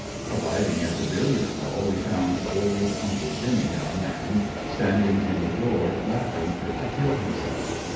Arriving at the billiard hall we found old "Uncle Jimmie," our man, standing in the door laughing fit to kill himself.